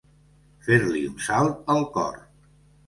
Fer-li un salt el cor.